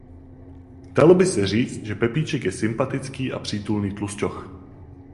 Dalo by se říct, že Pepíček je sympatický a přítulný tlusťoch.